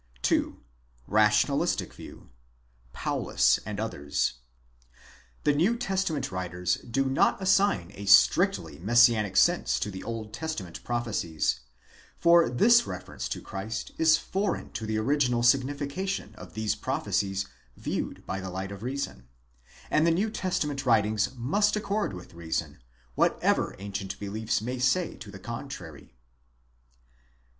2. Rationalistic view (Paulus and others): The New Testament writers do not assign a strictly Messianic sense to the Old Testament prophecies, for this reference to Christ is foreign to the original signification of these prophecies viewed by the light of reason ; and the New Testament writings must accord with reason, whatever ancient beliefs may say to the contrary.